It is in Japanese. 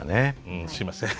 うんすいません。